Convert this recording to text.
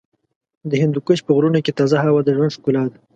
د هندوکش په غرونو کې تازه هوا د ژوند ښکلا ده.